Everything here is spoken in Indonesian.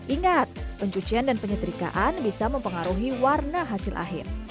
ingat pencucian dan penyetrikaan bisa mempengaruhi warna hasil akhir